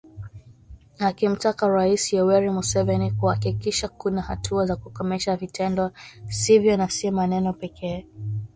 Akimtaka Rais Yoweri Museveni kuhakikisha kuna hatua za kukomesha vitendo hivyo na sio maneno pekee.